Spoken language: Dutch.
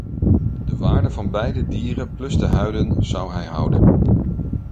De waarde van beide dieren plus de huiden zou hij houden.